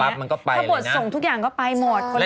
ถ้าบทส่งทุกอย่างก็ไปหมดคนดูดีแล้ว